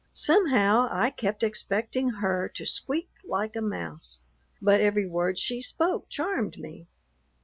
Somehow I kept expecting her to squeak like a mouse, but every word she spoke charmed me.